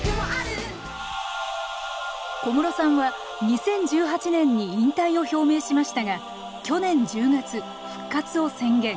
小室さんは２０１８年に引退を表明しましたが去年１０月復活を宣言。